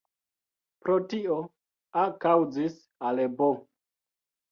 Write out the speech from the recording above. Pro tio, "A" kaŭzis al "B.